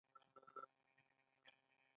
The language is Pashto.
بې کوره کور غواړي